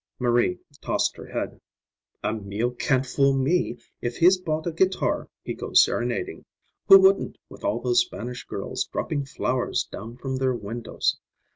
Marie tossed her head. "Emil can't fool me. If he's bought a guitar, he goes serenading. Who wouldn't, with all those Spanish girls dropping flowers down from their windows!